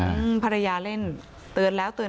อืมภรรยาเล่นเตือนแล้วเตือน